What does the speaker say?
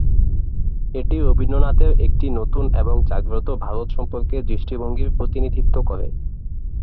এটি রবীন্দ্রনাথের একটি নতুন এবং জাগ্রত ভারত সম্পর্কে দৃষ্টিভঙ্গির প্রতিনিধিত্ব করে।